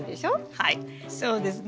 はいそうですね。